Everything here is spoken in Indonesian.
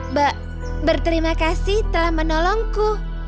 mbak berterima kasih telah menolongku